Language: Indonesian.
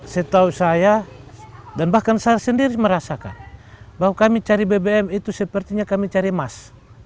setahu saya dan bahkan saya sendiri merasakan bahwa kami cari bbm itu sepertinya kami cari emas